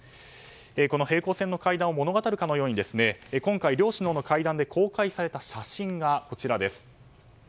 この平行線の会談を物語るかのように今回、両首脳の会談で公開された写真がこちらです。